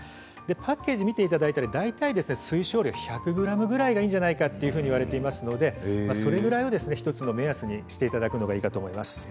パッケージを見ていただくと大体推奨摂取量を１００ｇぐらいがいいんじゃないかといわれていますのでそれぐらいを１つの目安にしていただくのがいいと思います。